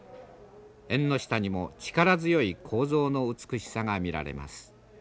縁の下にも力強い構造の美しさが見られます。